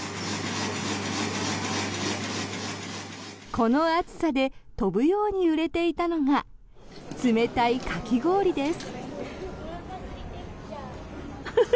この暑さで飛ぶように売れていたのが冷たいかき氷です。